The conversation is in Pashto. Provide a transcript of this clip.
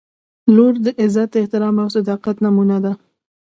• لور د عزت، احترام او صداقت نمونه ده.